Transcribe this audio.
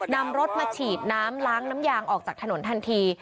นำรถมาฉีดน้ำล้างน้ำยางออกจากถนนทันที